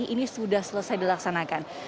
ini sudah selesai dilaksanakan